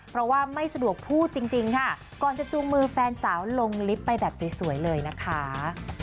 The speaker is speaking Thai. เพราะว่าไม่สะดวกพูดจริงค่ะก่อนจะจูงมือแฟนสาวลงลิฟต์ไปแบบสวยเลยนะคะ